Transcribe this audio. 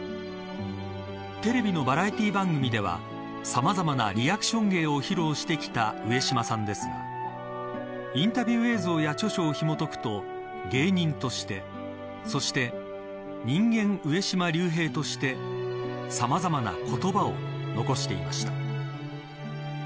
テレビのバラエティー番組ではさまざまなリアクション芸を披露してきた上島さんですがインタビュー映像や著書をひもとくと、芸人としてそして、人間上島竜兵としてさまざまな言葉を残していました。